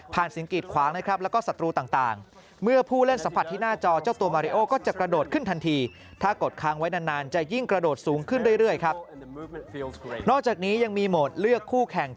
ผ่านสิงคิดคว้างและก็ศัตรูต่าง